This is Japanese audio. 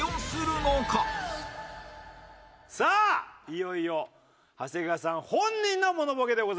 いよいよ長谷川さん本人のモノボケでございます。